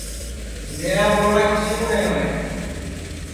میرا ٻولٹؔا کِسی کُو نائی وٹؔے